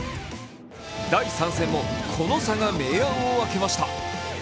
第３戦もこの差が明暗を分けました